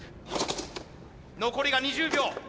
残りが２０秒。